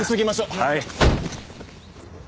はい。